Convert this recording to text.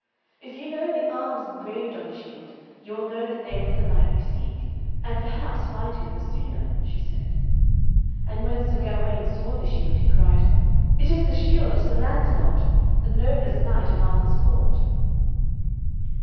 'If you know the arms engraved on the shield, you will know the name of the knight you seek, and perhaps find him the sooner,' she said. And when Sir Gawaine saw the shield he cried, 'It is the shield of Sir Lancelot, the noblest knight in Arthur's court.'